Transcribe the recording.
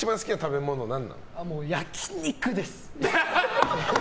焼き肉です！